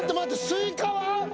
スイカは？